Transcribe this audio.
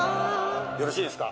よろしいですか？